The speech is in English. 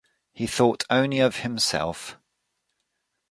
He thought only of himself.